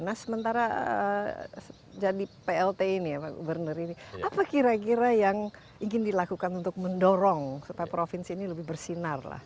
nah sementara jadi plt ini ya pak gubernur ini apa kira kira yang ingin dilakukan untuk mendorong supaya provinsi ini lebih bersinar lah